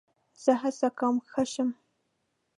زه هڅه کوم ښه شم.